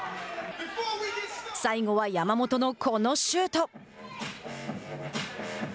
最後は山本のこのシュート。